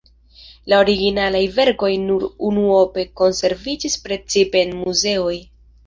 La originalaj verkoj nur unuope konserviĝis, precipe en muzeoj.